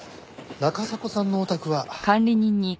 中迫さんのお宅は？